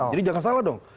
jadi jangan salah dong